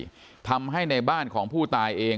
คือป้าไปดูครั้งแรกคิดว่าเขาเมาคือป้าไปดูครั้งแรกคิดว่าเขาเมา